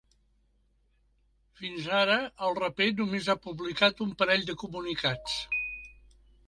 Fins ara el raper només ha publicat un parell de comunicats.